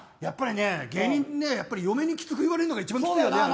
芸人ね、嫁にきつく言われるのが一番効くよな。